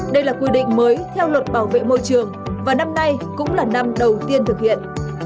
đây là quy định mới theo luật bảo vệ môi trường và năm nay cũng là năm đầu tiên thực hiện